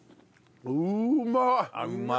うまい！